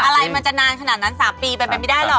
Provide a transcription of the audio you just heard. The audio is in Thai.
อะไรมันจะนานขนาดนั้น๓ปีเป็นไปไม่ได้หรอก